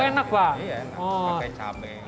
iya enak pakai cabai